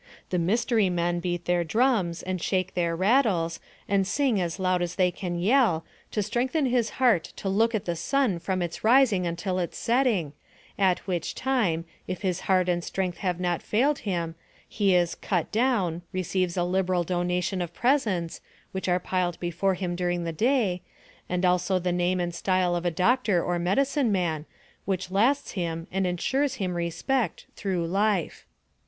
The mystery men beat their drums, and shake their rattles, and sing as loud as they can yell, to strengthen his heart to look at the sun from its rising until its setting, at which time, if his heart and strength have not failed him, he is u cut down," receives a liberal donation of presents, which are piled before him during the day, and also the name and style of a doctor, or medicine man, which lasts him, and insures him respect, through life.